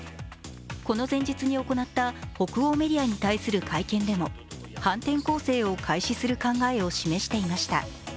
この前日に行った北欧メディアに対する会見でも反転攻勢を開始する考えを示していました。